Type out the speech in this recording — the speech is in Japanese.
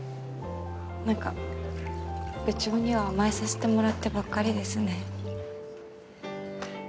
なんか部長には甘えさせてもらってばっかりですね。